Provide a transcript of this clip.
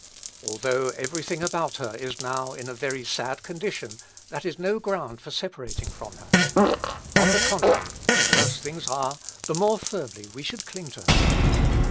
Although every thing about her is now in a very sad condition that is no ground for separating from her. On the contrary the worse things are, the more firmly we should cling to her.